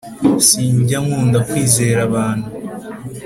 Sinjya nkunda kwizera abantu